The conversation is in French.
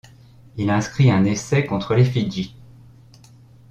Il inscrit un essai, contre les Fidji.